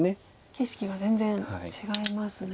景色が全然違いますね。